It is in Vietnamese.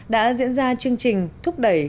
đã diễn ra chương trình thúc đẩy